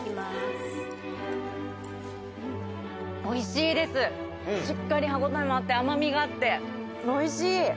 しっかり歯応えもあって甘みがあっておいしい。